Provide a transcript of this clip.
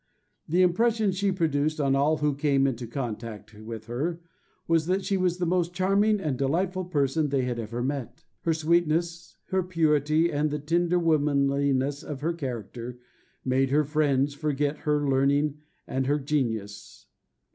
The impression she produced on all who came into contact with her was that she was the most charming and delightful person they had ever met. Her sweetness, her purity, and the tender womanliness of her character, made her friends forget her learning and her genius.